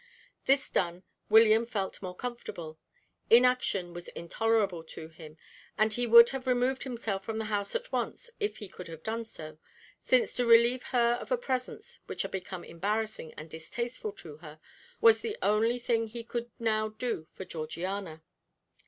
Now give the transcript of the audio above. This done, William felt more comfortable; inaction was intolerable to him, and he would have removed himself from the house at once if he could have done so, since to relieve her of a presence which had become embarrassing and distasteful to her was the only thing he could now do for Georgiana.